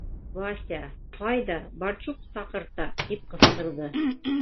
— Вася ҡайҙа, барчук саҡырта! — тип ҡысҡырҙы.